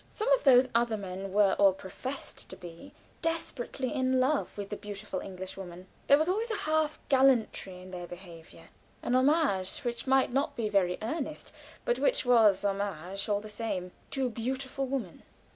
Some of those other men were, or professed to be, desperately in love with the beautiful English woman; there was always a half gallantry in their behavior, a homage which might not be very earnest, but which was homage all the same, to a beautiful woman.